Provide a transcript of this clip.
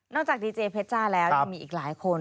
จากดีเจเพชจ้าแล้วยังมีอีกหลายคน